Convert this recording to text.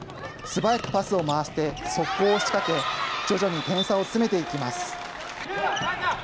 素早くパスを回して、速攻を仕掛け、徐々に点差を詰めていきます。